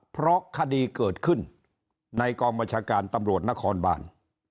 เพราะคดีเกิดขึ้นในกองบัญชาการตำรวจนครบาน